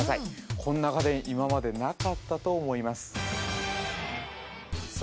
こんな家電今までなかったと思いますさあ